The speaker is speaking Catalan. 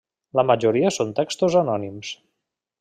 La majoria són textos anònims.